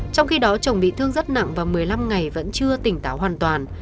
trong khi đó chồng bị thương rất nặng và một mươi năm ngày vẫn chưa tỉnh táo hoàn toàn